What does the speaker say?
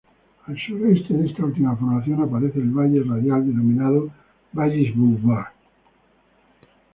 Al sureste de esta última formación, aparece el valle radial denominado Vallis Bouvard.